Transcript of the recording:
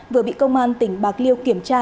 vừa bị công an tỉnh bạc liêu kiểm tra